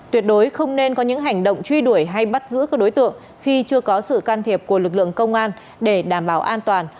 tuyệt đối không nên có những hành động truy đuổi hay bắt giữ các đối tượng khi chưa có sự can thiệp của lực lượng công an để đảm bảo an toàn